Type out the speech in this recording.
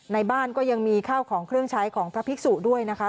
ในบ้านก็ยังมีข้าวของเครื่องใช้ของพระภิกษุด้วยนะคะ